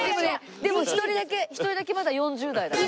でも一人だけ一人だけまだ４０代だから。